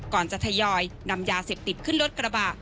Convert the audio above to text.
ก่อนจะทยอยนำยาเสพติดขึ้นรถกระบะ